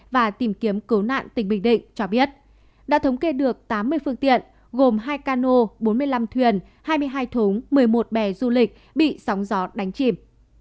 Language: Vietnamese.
và tìm kiếm cứu nạn tỉnh bình định cho biết đã thống kê được tám mươi phương tiện gồm hai cano bốn mươi năm thuyền hai mươi hai thốn một mươi một bè du lịch bị sóng gió đánh chìm